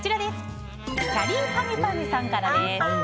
きゃりーぱみゅぱみゅさんからです。